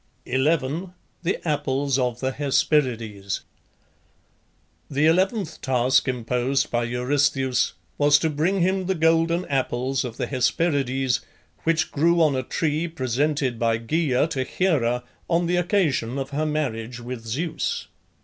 11. THE APPLES OF THE HESPERIDES. The eleventh task imposed by Eurystheus was to bring him the golden apples of the Hesperides, which grew on a tree presented by Gaea to Hera, on the occasion of her marriage with Zeus.